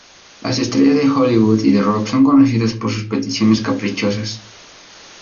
Las estrellas de Hollywood y de rock son conocidas por sus peticiones caprichosas.